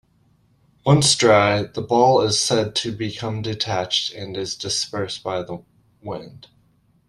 Once dry, the ball is said to become detached and is dispersed by wind.